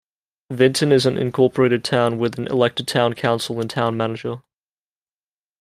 Vinton is an incorporated town with an elected town council and town manager.